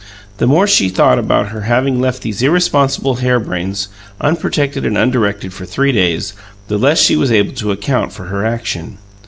The more she thought about her having left these irresponsible harebrains unprotected and undirected for three days, the less she was able to account for her action.